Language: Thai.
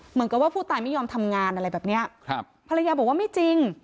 เหมือนกับว่าผู้ตายไม่ยอมทำงานอะไรแบบเนี้ยครับภรรยาบอกว่าไม่จริง